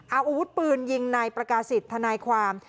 เอาอาวุธปืนยิงนายประกาศิษย์ทนายความ